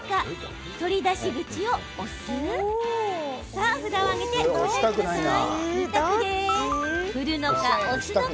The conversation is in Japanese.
さあ、札を上げてお答えください。